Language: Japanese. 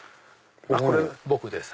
これ僕です。